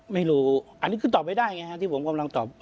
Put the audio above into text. ไม่รู้อันนี้คือตอบไม่ได้ไงฮะที่ผมกำลังตอบ